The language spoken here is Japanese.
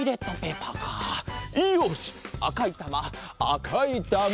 あかいたまあかいたま！